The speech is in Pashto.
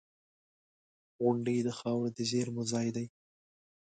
• غونډۍ د خاورو د زېرمو ځای دی.